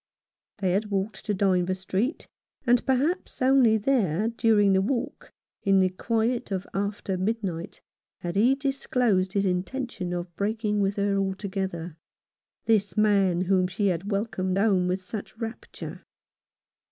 They had walked to Dynevor Street, and perhaps only there, during the walk, in the quiet of after midnight, had he disclosed his intention of breaking with her altogether — this man whom she had welcomed home with such rapture.